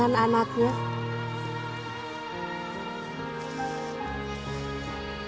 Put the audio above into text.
ketika ada bapak kehilanganmu